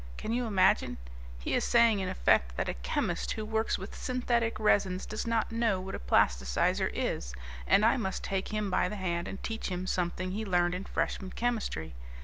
Can you imagine? He is saying in effect that a chemist who works with synthetic resins does not know what a plasticizer is, and I must take him by the hand and teach him something he learned in freshman chemistry.